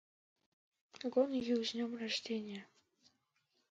Lawrence earned a degree in music composition from Hampshire College.